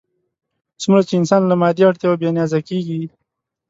څومره چې انسان له مادي اړتیاوو بې نیازه کېږي.